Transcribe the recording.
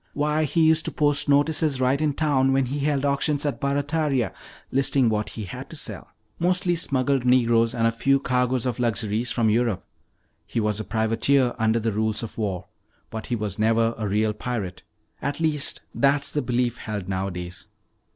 Why, he used to post notices right in town when he held auctions at Barataria, listing what he had to sell, mostly smuggled Negroes and a few cargoes of luxuries from Europe. He was a privateer under the rules of war, but he was never a real pirate. At least, that's the belief held nowadays."